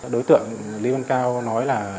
đối tượng lý văn cao nói là